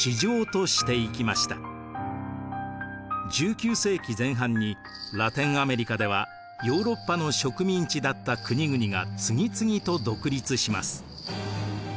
１９世紀前半にラテンアメリカではヨーロッパの植民地だった国々が次々と独立します。